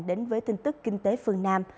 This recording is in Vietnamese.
đến với tin tức kinh tế phương nam